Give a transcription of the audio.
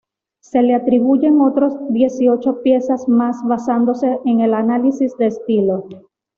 Se le atribuyen otras dieciocho piezas más basándose en el análisis de estilo.